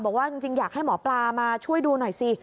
บอกว่าจริงอยากให้หมอปลามาช่วยดูหน่อยสิ